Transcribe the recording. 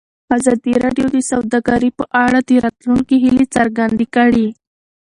ازادي راډیو د سوداګري په اړه د راتلونکي هیلې څرګندې کړې.